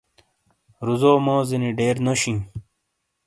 روزو موزینی ڈیر نوشِیں۔